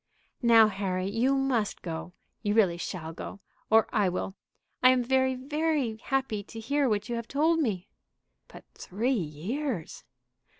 "Now, Harry, you must go. You really shall go, or I will. I am very, very happy to hear what you have told me." "But three years!"